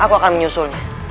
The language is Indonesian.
aku akan menyusulnya